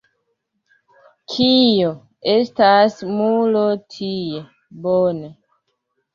Kio? Estas muro tie. Bone.